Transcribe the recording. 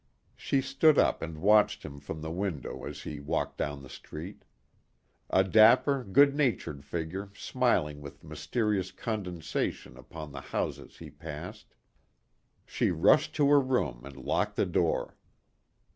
She stood up and watched him from the window as he walked down the street. A dapper, good natured figure smiling with mysterious condescension upon the houses he passed. She rushed to her room and locked the door.